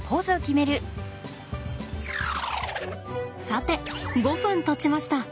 さて５分たちました。